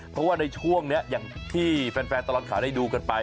เพราะว่าในช่วงนี้อย่างที่แฟนตลอดข่าวได้ดูกันไป